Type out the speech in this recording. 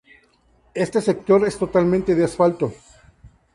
Este sector es totalmente de asfalto.